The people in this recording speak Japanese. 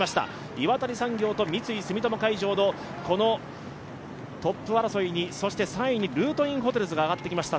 岩谷産業と三井住友海上のトップ争いにそして３位にルートインホテルズが上がってきました。